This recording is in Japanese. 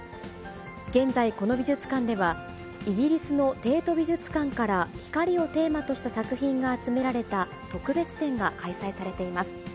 現在、この美術館ではイギリスのテート美術館から光をテーマとした作品が集められた特別展が開催されています。